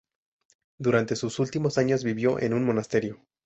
Durante sus últimos años vivió en un monasterio.